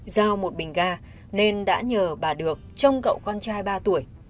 giao một bình ga nên đã nhờ bà được trong cậu con trai ba tuổi